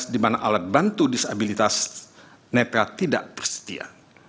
di mana alat bantu disabilitas nepal tidak bersedia